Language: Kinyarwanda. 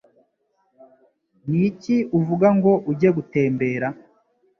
Niki uvuga ngo ujye gutembera?